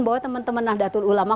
bahwa teman teman nahdlatul ulama